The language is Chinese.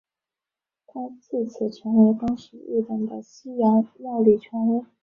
他自此成为当时日本的西洋料理权威。